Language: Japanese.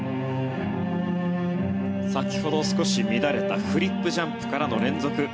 先ほど少し乱れたフリップジャンプからの連続